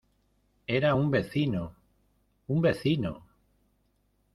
era un vecino... un vecino .